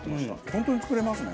本当に作れますね。